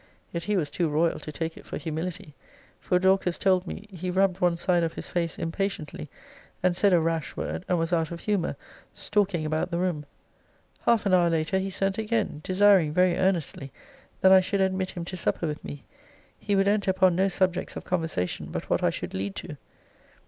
Yet he was too royal to take it for humility; for Dorcas told me, he rubbed one side of his face impatiently; and said a rash word, and was out of humour; stalking about the room. Half an hour later, he sent again; desiring very earnestly, that I should admit him to supper with me. He would enter upon no subjects of conversation but what I should lead to.